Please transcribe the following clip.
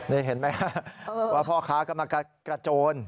นี่เห็นไหมว่าพ่อค้ากำลังจะกระโจน